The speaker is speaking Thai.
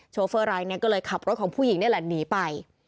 โฟเฟอร์รายนี้ก็เลยขับรถของผู้หญิงนี่แหละหนีไป